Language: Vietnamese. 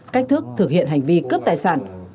cách thức thực hiện hành vi cướp tài sản